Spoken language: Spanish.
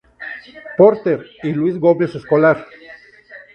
Porter, y Luis Gómez-Escolar.